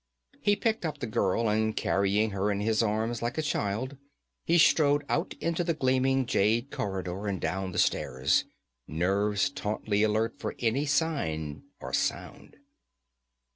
He picked up the girl and carrying her in his arms like a child, he strode out into the gleaming jade corridor and down the stairs, nerves tautly alert for any sign or sound.